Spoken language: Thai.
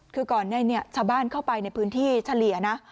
คือก่อนหน้านี้ชาวบ้านเข้าไปในพื้นที่เฉลี่ยนะ